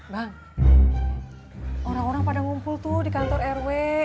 bang orang orang pada ngumpul tuh di kantor rw